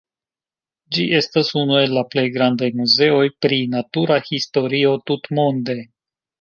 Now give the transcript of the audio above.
Ĝi estas unu el la plej grandaj muzeoj pri natura historio tutmonde.